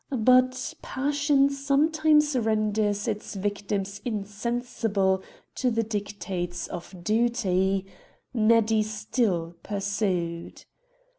But passion sometimes renders its victims insensible to the dictates of duty ; Neddy still pursued.